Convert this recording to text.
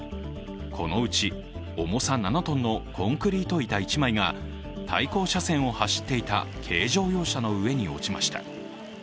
このうち重さ７ｔのコンクリート板１枚が対向車線を走っていた軽乗用車の上に落ちました。